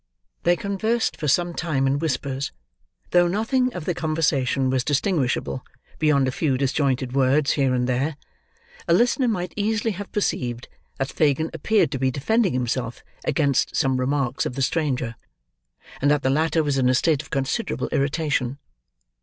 They conversed for some time in whispers. Though nothing of the conversation was distinguishable beyond a few disjointed words here and there, a listener might easily have perceived that Fagin appeared to be defending himself against some remarks of the stranger; and that the latter was in a state of considerable irritation.